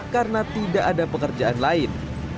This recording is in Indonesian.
karena tidak ada pekerjaan lain